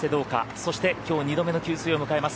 そしてきょう二度目の給水を迎えます。